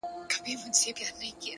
خاموش سکوت ذهن ژوروي!